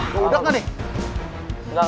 lu udah gak nih